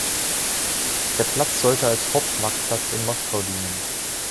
Der Platz sollte als Hauptmarktplatz in Moskau dienen.